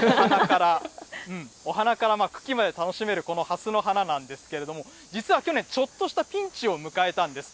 お花から茎まで楽しめるこのはすの花なんですけれども、実は去年、ちょっとしたピンチを迎えたんです。